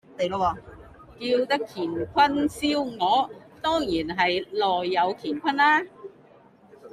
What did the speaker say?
叫得乾坤燒鵝，當然係內有乾坤啦